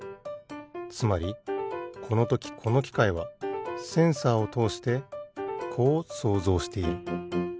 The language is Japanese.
つまりこのときこのきかいはセンサーをとおしてこう想像している。